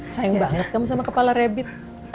sayang banget kamu sama kepala rabbit